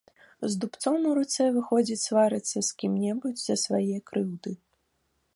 З дубцом у руцэ выходзіць сварыцца з кім-небудзь за свае крыўды.